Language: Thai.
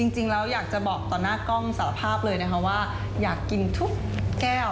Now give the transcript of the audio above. จริงแล้วอยากจะบอกต่อหน้ากล้องสารภาพเลยนะคะว่าอยากกินทุกแก้ว